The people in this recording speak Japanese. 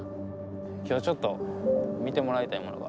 今日ちょっと見てもらいたいものが。